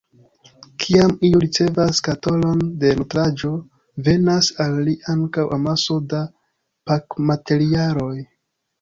Kiam iu ricevas skatolon da nutraĵo, venas al li ankaŭ amaso da pakmaterialoj.